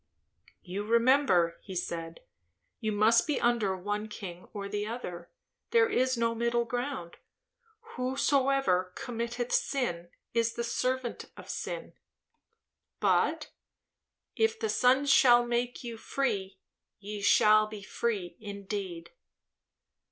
"You remember," he said. "You must be under one king or the other; there is no middle ground. 'Whosoever committeth sin, is the servant of sin'; but, 'If the Son shall make you free, ye shall be free indeed.'"